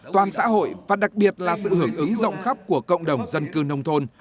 toàn xã hội và đặc biệt là sự hưởng ứng rộng khắp của cộng đồng dân cư nông thôn